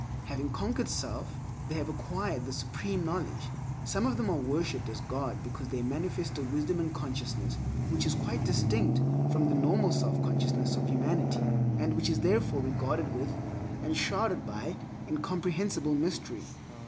Having conquered self, they have acquired the Supreme Knowledge. Some of them are worshiped as God because they manifest a wisdom and a consciousness which is quite distinct from the normal self consciousness of humanity, and which is therefore regarded with, and surrounded by, incomprehensible mystery.